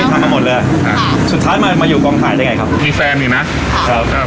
ทำมาหมดเลยอ่าสุดท้ายมามาอยู่กองถ่ายได้ไงครับมีแฟนอีกไหมครับครับ